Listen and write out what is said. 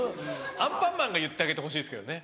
アンパンマンが言ってあげてほしいですけどね。